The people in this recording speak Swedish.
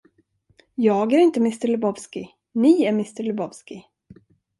Jag är inte mr Lebowski ni är mr Lebowski.